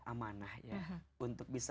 amanah ya untuk bisa